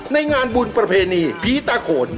ในงานบุญประเพณีผีตาโขน